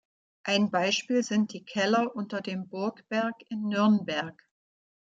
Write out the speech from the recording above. Ein Beispiel sind die Keller unter dem Burgberg in Nürnberg.